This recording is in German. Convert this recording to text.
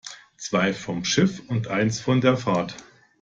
Zwei vom Schiff und eines von der Fahrt.